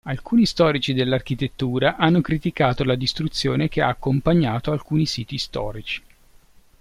Alcuni storici dell'architettura hanno criticato la distruzione che ha accompagnato alcuni siti storici.